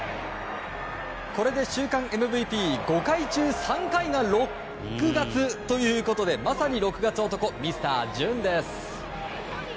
これで週間ＭＶＰ５回中３回が６月ということでまさに６月男ミスター・ジューンです。